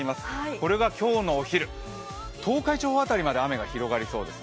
これが今日のお昼、東海地方辺りまで雨が広がりそうです。